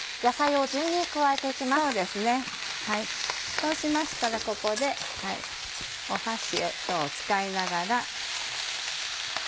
そうしましたらここで箸を使いながら。